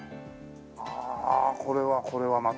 ああこれはこれはまた。